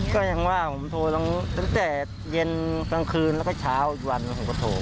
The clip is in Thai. ก็ยังว่าผมโทรตั้งแต่เย็นกลางคืนแล้วก็เช้าอีกวันผมก็โทร